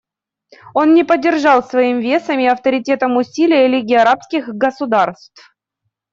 Он не поддержал своим весом и авторитетом усилия Лиги арабских государств.